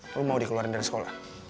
kamu mau dikeluarin dari sekolah